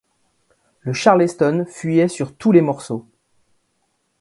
Le charleston fuyait sur tous les morceaux.